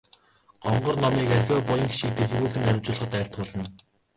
Гонгор номыг аливаа буян хишгийг дэлгэрүүлэн арвижуулахад айлтгуулна.